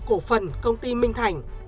cổ phần công ty minh thành